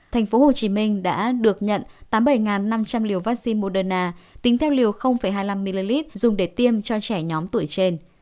tp hcm đã được nhận tám mươi bảy năm trăm linh liều vaccine moderna tính theo liều hai mươi năm ml dùng để tiêm cho trẻ nhóm tuổi trên